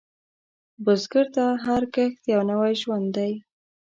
بزګر ته هر کښت یو نوی ژوند دی